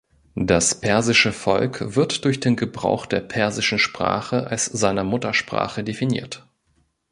Das persische Volk wird durch den Gebrauch der persischen Sprache als seiner Muttersprache definiert.